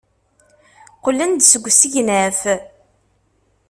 Qqlen-d seg usegnaf.